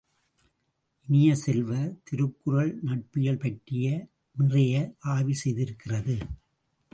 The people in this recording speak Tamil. இனிய செல்வ, திருக்குறள் நட்பியல் பற்றி நிறைய ஆய்வு செய்திருக்கிறது.